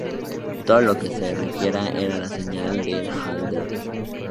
Todo lo que se requería era la señal de Halder.